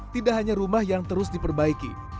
tidak hanya rumah yang terus diperbaiki